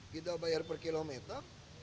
kita bayar per kilometer